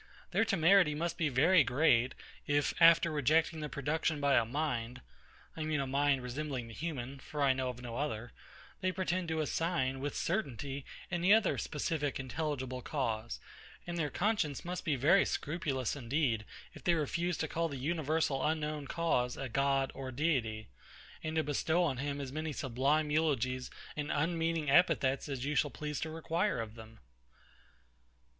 Their temerity must be very great, if, after rejecting the production by a mind, I mean a mind resembling the human, (for I know of no other,) they pretend to assign, with certainty, any other specific intelligible cause: And their conscience must be very scrupulous indeed, if they refuse to call the universal unknown cause a God or Deity; and to bestow on him as many sublime eulogies and unmeaning epithets as you shall please to require of them.